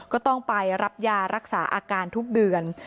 ก็ต้องไปรับยารักษาอาการทุกเดือน